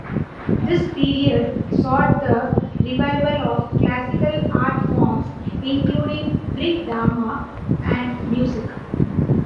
This period sought the revival of classical art forms, including Greek drama and music.